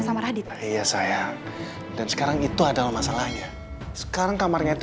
sama radit ayah saya dan sekarang itu adalah masalahnya sekarang kamarnya itu